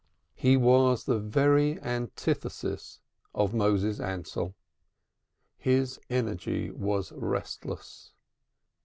He was the very antithesis of Moses Ansell. His energy was restless.